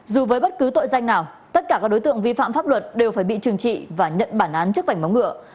dù với bất cứ tội danh nào tất cả các đối tượng vi phạm pháp luật đều phải bị trừng trị và nhận bản án trước vảnh móng ngựa